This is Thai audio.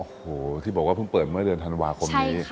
โอ้โหที่บอกว่าเพิ่งเปิดเมื่อเดือนธันวาคมนี้